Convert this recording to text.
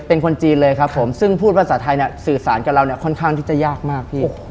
เป็นคนจีนเลยครับผมซึ่งพูดภาษาไทยเนี่ยสื่อสารกับเราเนี่ยค่อนข้างที่จะยากมากพี่